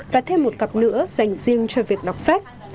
và thêm một cặp nữa dành riêng cho việc đọc sách